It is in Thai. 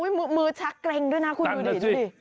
โอ้โฮมือชักเกร็งด้วยนะคุณดูดิ